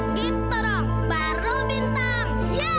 gitorong baru bintang yes yuhuu